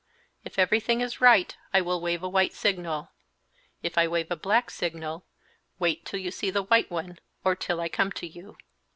If everything is right I will wave a white signal. If I wave a black signal, wait till you see the white one, or till I come to you."